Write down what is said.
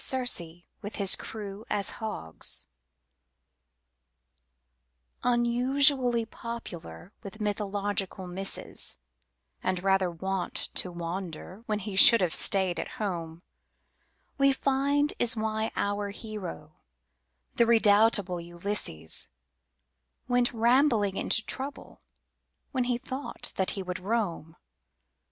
ULYSSES Unusually popular with mythologic misses, And rather wont to wander when he should have stayed at home, We find is why our hero, the redoubtable Ulysses, Went rambling into trouble when he thought that he would roam.